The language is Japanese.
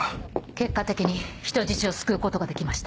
結果的に人質を救うことができました。